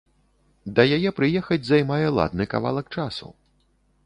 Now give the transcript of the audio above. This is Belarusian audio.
Да яе прыехаць займае ладны кавалак часу.